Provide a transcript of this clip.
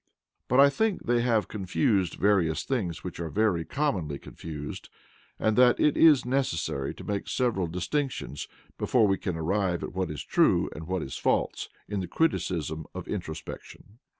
But I think that they have confused various things which are very commonly confused, and that it is necessary to make several distinctions before we can arrive at what is true and what false in the criticism of introspection.